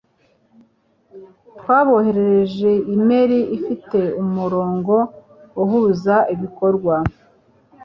Twaboherereje imeri ifite umurongo uhuza ibikorwa.